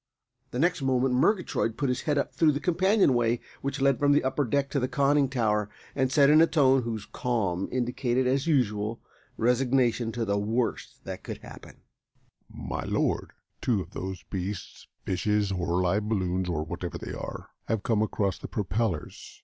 The next moment Murgatroyd put his head up through the companion way which led from the upper deck to the conning tower, and said, in a tone whose calm indicated, as usual, resignation to the worst that could happen: "My Lord, two of those beasts, fishes or live balloons, or whatever they are, have come across the propellers.